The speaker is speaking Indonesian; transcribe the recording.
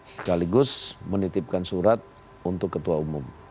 sekaligus menitipkan surat untuk ketua umum